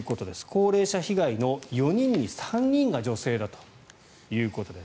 高齢者被害の４人の３人が女性だということです。